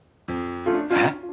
えっ？